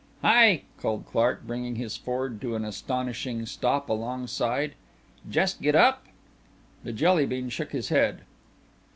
"Hi!" called Clark, bringing his Ford to an astonishing stop alongside. "Just get up?" The Jelly bean shook his head.